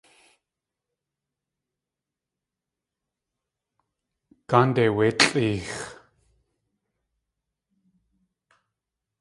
Gáande wé tlʼeex!